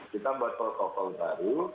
kita buat protokol baru